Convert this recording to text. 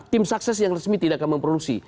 tim sukses yang resmi tidak akan memproduksi